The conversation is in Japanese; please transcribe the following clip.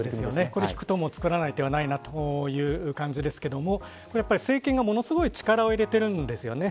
これを聞くと作らない手はないなという感じですが政権がものすごい力を入れているんですよね。